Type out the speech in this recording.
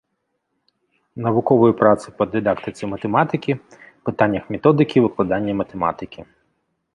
Навуковыя працы па дыдактыцы матэматыкі, пытаннях методыкі выкладання матэматыкі.